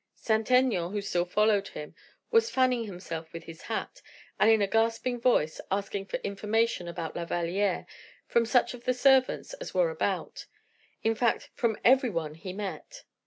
Saint Aignan, who still followed him, was fanning himself with his hat, and in a gasping voice, asking for information about La Valliere from such of the servants as were about, in fact from every one he met.